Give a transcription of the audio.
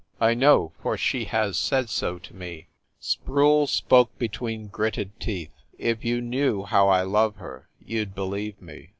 I know, for she has said so to me." Sproule spoke between gritted teeth. "If you knew how I love her, you d believe me.